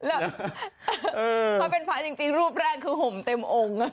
เพราะเป็นพระจริงรูปแรกคือห่มเต็มองค์